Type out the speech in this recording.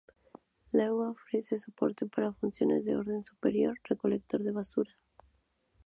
Lua ofrece soporte para funciones de orden superior, recolector de basura.